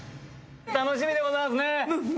楽しみでございますね。